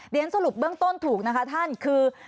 เรียนสรุปเบื้องต้นถูกนะคะท่านคือ